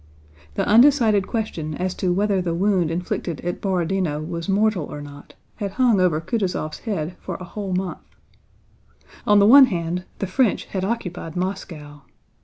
The undecided question as to whether the wound inflicted at Borodinó was mortal or not had hung over Kutúzov's head for a whole month. On the one hand the French had occupied Moscow.